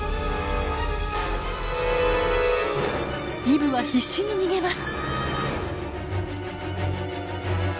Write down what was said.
イブは必死に逃げます。